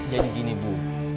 jadi gini bu